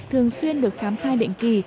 thường xuyên được khám thai định kỳ